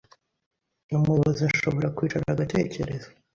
umuyobozi ashobora kwicara agatekereza